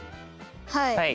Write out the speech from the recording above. はい。